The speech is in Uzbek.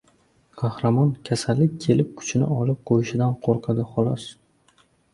• Qahramon kasallik kelib kuchini olib qo‘yishidan qo‘rqadi, xolos.